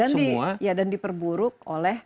semua dan diperburuk oleh